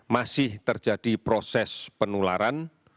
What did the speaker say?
masih terjadi proses penularan